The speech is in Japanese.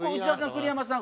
栗山さん。